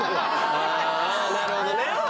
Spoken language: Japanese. ああなるほどね